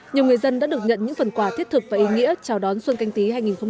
nhiều người dân đã được nhận những phần quà thiết thực và ý nghĩa chào đón xuân canh tí hai nghìn hai mươi